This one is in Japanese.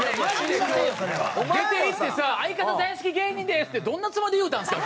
出ていってさ「相方大好き芸人です！」ってどんなつもりで言うたんですか？